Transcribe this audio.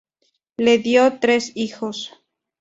Le dio tres hijos.